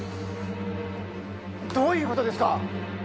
どういうことですか？